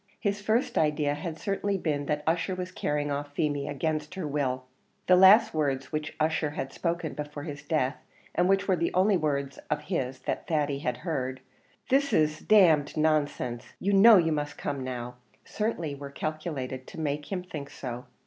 His first idea had certainly been that Ussher was carrying off Feemy against her will; the last words which Ussher had spoken before his death, and which were the only words of his that Thady had heard, "This is d d nonsense; you know you must come now," certainly were calculated to make him think so.